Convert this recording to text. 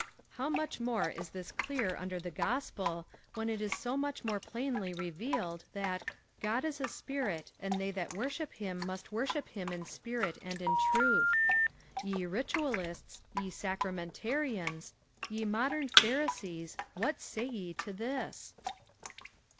How much more is this clear under the gospel, when it is so much more plainly revealed, that " God is a Spirit, and tney that worship him must worship bim in spirit and in truth "t Ye Ritualists, ye Sacramentarians, ye modem Pharisees, what say ye to this